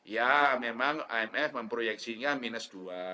ya memang imf memproyeksinya minus dua